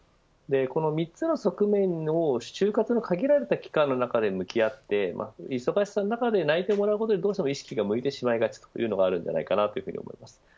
３つの側面を就活の限られた期間の中で向き合って忙しさの中で内定をもらうことに意識が向いてしまいがちというのがあるんじゃないかと思います。